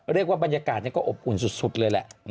เรียกว่าบรรยากาศก็อบอุ่นสุดเลยแล้ว